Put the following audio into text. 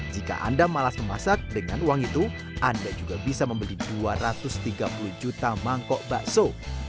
jika anda malas memasak dengan uang itu anda juga bisa membeli dua ratus tiga puluh juta mangkok bakso